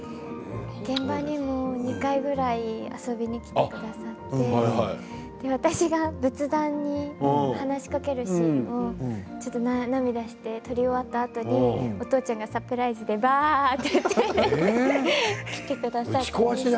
現場にも２回ぐらい来てくださって私が仏壇に話しかけるシーンも涙して撮り終わったらお父ちゃんがサプライズで出てきてくださって。